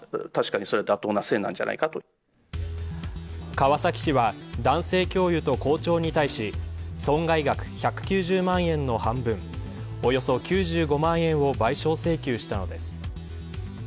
川崎市は男性教諭と校長に対し損害額１９０万円の半分およそ９５万円を賠償請求したのです。